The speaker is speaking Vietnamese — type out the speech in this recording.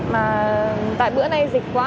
mà tại bữa nay dịch quá